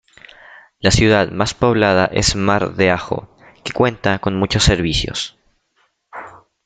La ciudad más poblada es Mar de Ajó, que cuenta con muchos servicios.